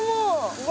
うわ！